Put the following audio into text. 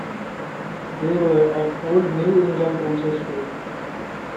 They were of old New England ancestry.